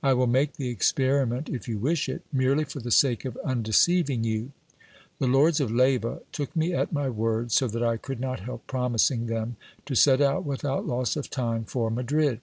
I will make the experiment if you wish it, merely for the sake of undeceiving you. The lords of Leyva took me at my word, so that I could not help promising them to set out without loss of time for Madrid.